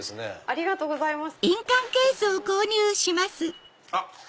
ありがとうございます。